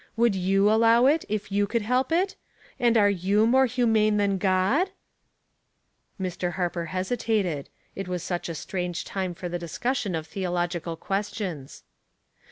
Would you allow it, if you could help it? and are you more humane than God ?" Ml'. Harper hesitated — it was such a strange time for the discussion of theological questions.